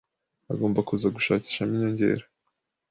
agomba kuza gushakishamo inyongera.